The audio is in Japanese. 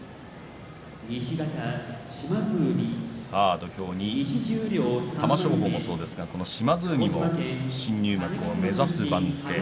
土俵に玉正鳳もそうですけれども島津海も新入幕を目指す番付。